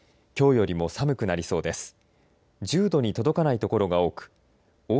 きょうよりも寒くなりそうです。